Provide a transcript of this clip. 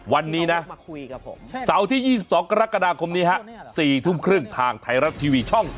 วันนี้นะเสาร์ที่๒๒กรกฎาคมนี้ฮะ๔ทุ่มครึ่งทางไทยรัฐทีวีช่อง